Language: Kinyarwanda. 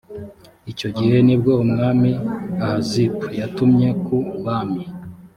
icyo gihe ni bwo umwami ahazip yatumye ku bami